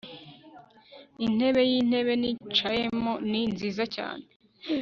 Intebe yintebe nicayemo ni nziza cyane